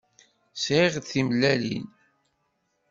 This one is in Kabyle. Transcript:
Sɣiɣ-d timellalin.